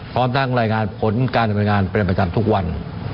พร้อมทั้งรายงานผลการดำเนินงานเป็นประจำทุกวัน